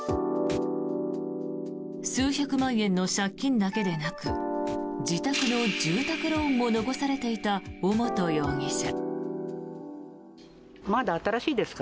数百万円の借金だけでなく自宅の住宅ローンも残されていた尾本容疑者。